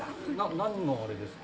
何のあれですか？